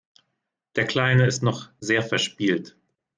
Der Kleine ist noch sehr verspielt.